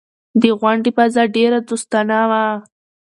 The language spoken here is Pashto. د غونډې فضا ډېره دوستانه وه.